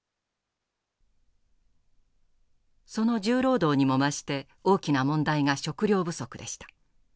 その重労働にも増して大きな問題が食料不足でした。